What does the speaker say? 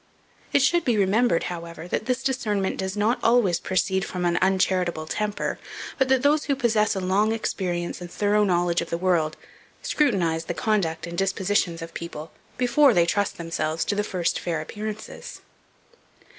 It should be remembered, however, that this discernment does not always proceed from an uncharitable temper, but that those who possess a long experience and thorough knowledge of the world, scrutinize the conduct and dispositions of people before they trust themselves to the first fair appearances.